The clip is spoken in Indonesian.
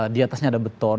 diatasnya ada beton